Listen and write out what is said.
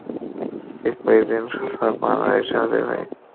ঠিক ঐ দিন সফওয়ানও এসে হাজির হয়।